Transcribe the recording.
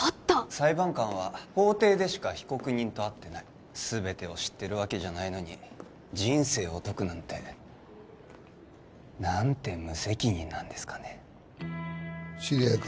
裁判官は法廷でしか被告人と会ってない全てを知ってるわけじゃないのに人生を説くなんて何て無責任なんですかね知り合いか？